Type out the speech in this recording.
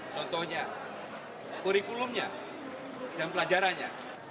contohnya kurikulumnya dan pelajarannya